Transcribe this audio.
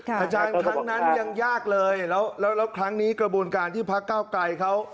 อาจารย์ครั้งนั้นยังยากเลยแล้วครั้งนี้กระบวนการที่พักเก้าไกรเขา